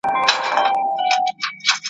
دا وطن دی د زمريو !.